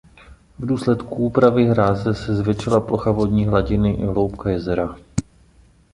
V důsledku úpravy hráze se zvětšila plocha vodní hladiny i hloubka jezera.